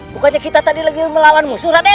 bukannya kita tadi lagi melawan musuh raden